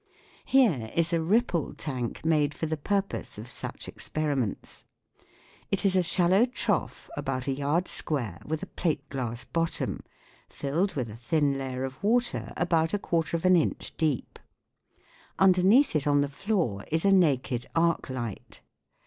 Here is a ripple tank made for the purpose of such experiments. It is a shallow trough about a yard square, with a plate glass bottom, filled with a thin layer of water about a quarter of an inch deep. Underneath it on the floor is a naked arc light.